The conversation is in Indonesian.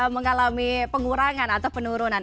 mengalami pengurangan atau penurunan